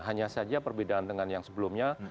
hanya saja perbedaan dengan yang sebelumnya